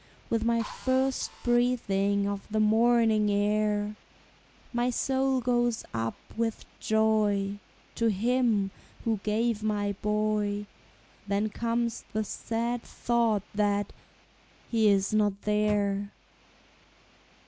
With my first breathing of the morning air My soul goes up, with joy, To Him who gave my boy; Then comes the sad thought that he is not there!